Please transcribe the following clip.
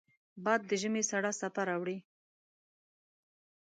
باد د ژمې سړه څپه راوړي